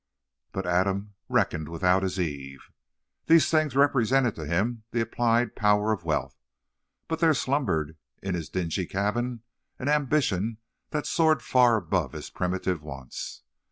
But Adam reckoned without his Eve. These things represented to him the applied power of wealth, but there slumbered in his dingy cabin an ambition that soared far above his primitive wants.